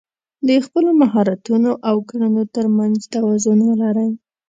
د خپلو مهارتونو او کړنو تر منځ توازن ولرئ.